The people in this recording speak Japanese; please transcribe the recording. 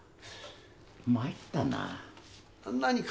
参ったな。何か？